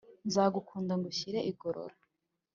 nzagukunda ngushyire igorora